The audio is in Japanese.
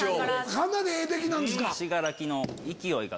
かなりええ出来なんですか？